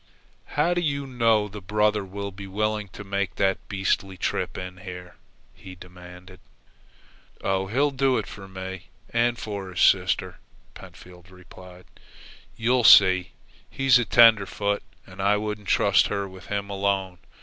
"How do you know the brother will be willing to make that beastly trip in here?" he demanded. "Oh, he'll do it for me and for his sister," Pentfield replied. "You see, he's tenderfoot, and I wouldn't trust her with him alone.